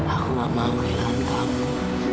aku gak mau nila aku